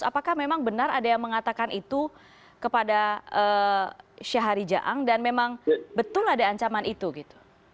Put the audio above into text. apakah memang benar ada yang mengatakan itu kepada syahari jaang dan memang betul ada ancaman itu gitu